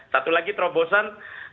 satu lagi terobosan